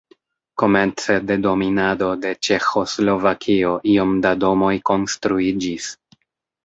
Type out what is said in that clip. Komence de dominado de Ĉeĥoslovakio iom da domoj konstruiĝis.